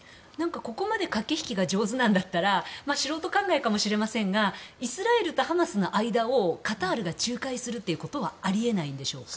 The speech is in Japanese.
ここまで駆け引きが上手なんだったら素人考えかもしれませんがイスラエルとハマスの間をカタールが仲介するっていうことはあり得ないんでしょうか。